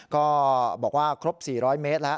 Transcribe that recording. ก็บอกว่าครบ๔๐๐เมตรแล้ว